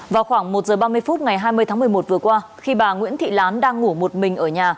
vào khoảng một giờ ba mươi phút ngày hai mươi tháng một mươi một vừa qua khi bà nguyễn thị lán đang ngủ một mình ở nhà